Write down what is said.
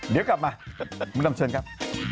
เดี๋ยวกลับมามดดำเชิญครับ